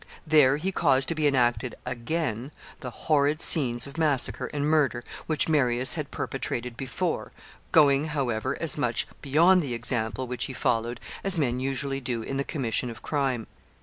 There he caused to be enacted again the horrid scenes of massacre and murder which Marius had perpetrated before, going, however, as much beyond the example which he followed as men usually do in the commission of crime.